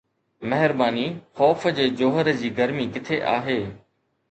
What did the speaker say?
مهرباني، خوف جي جوهر جي گرمي ڪٿي آهي؟